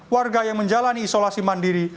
warga yang menjalani isolasi mandiri